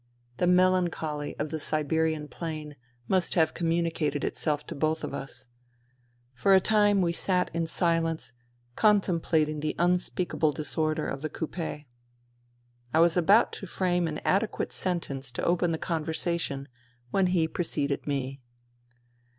The melancholy of the Siberian plain must have com municated itself to both of us. For a time we sat in silence, contemplating the unspeakable disorder of the coupe. I was about to frame an adequate sentence to open conversation when he preceded me.